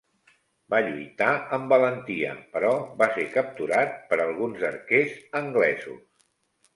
Va lluitar amb valentia, però va ser capturat per alguns arquers anglesos.